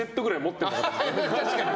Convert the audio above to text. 確かに。